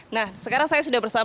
nah sekarang saya sudah bersama